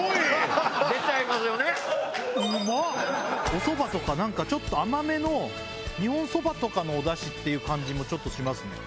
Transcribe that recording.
おそばとかちょっと甘めの日本そばとかのお出汁っていう感じもちょっとしますね。